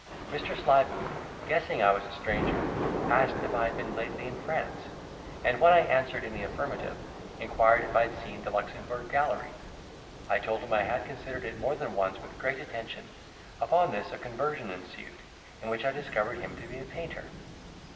Mr. Slyboot, guessing I was a stranger, asked if I had been lately in France? and when I answered in the affirmative, inquired if I had seen the Luxembourg Gallery? I told him I had considered it more than once with great attention: upon this a conversion ensued, in which I discovered him to be a painter.